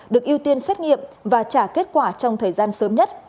được ưu tiên xét nghiệm và trả kết quả trong thời gian sớm nhất